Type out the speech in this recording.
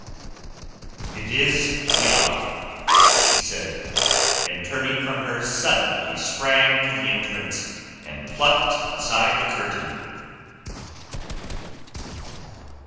"It is the hour," he said, and turning from her suddenly sprang to the entrance and plucked aside the curtain.